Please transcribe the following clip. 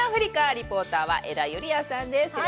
リポーターは江田友莉亜さんです。